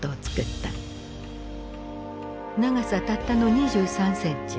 長さたったの２３センチ。